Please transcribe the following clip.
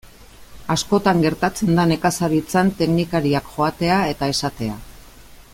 Askotan gertatzen da nekazaritzan teknikariak joatea eta esatea.